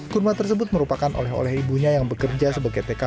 kurma tersebut merupakan oleh oleh ibunya yang bekerja sebagai tkp